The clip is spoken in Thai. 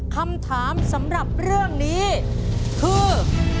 คำถามสำหรับเรื่องนี้คือ